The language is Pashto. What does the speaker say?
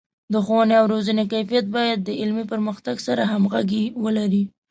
د ښوونې او روزنې کیفیت باید د علمي پرمختګ سره همغږي ولري.